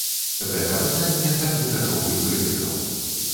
Гэта пытанне да гледачоў і крытыкаў.